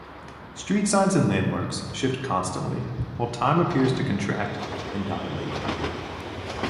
Street signs and landmarks shift constantly, while time appears to contract and dilate.